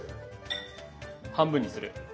半分にする。